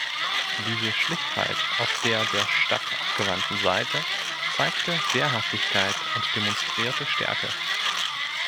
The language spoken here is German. Diese Schlichtheit auf der der Stadt abgewandten Seite zeigte Wehrhaftigkeit und demonstrierte Stärke.